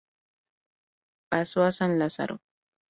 Pasó a San Lorenzo.